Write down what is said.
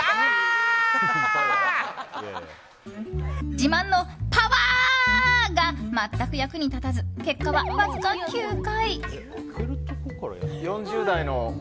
自慢のパワー！が全く役に立たず結果はわずか９回。